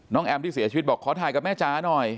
แอมที่เสียชีวิตบอกขอถ่ายกับแม่จ๋าหน่อย